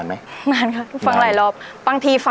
เกิดเสียแฟนไปช่วยไม่ได้นะ